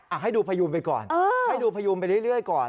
ให้ดูพยูนไปก่อนให้ดูพยูนไปเรื่อยก่อน